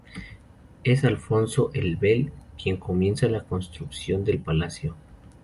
Es Alfonso el Vell, quien comienza la construcción del palacio.